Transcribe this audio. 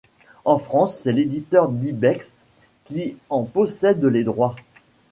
En France c'est l'éditeur Dybex qui en possède les droits.